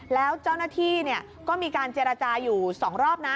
แล้วเจ้าหน้าที่ก็มีการเจรจาอยู่๒รอบนะ